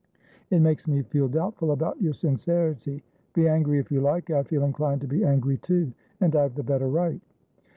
It makes me feel doubtful about your sincerity. Be angry, if you like. I feel inclined to be angry too, and I've the better right!"